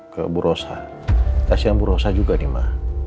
ke burosa kasian burosa juga nih ma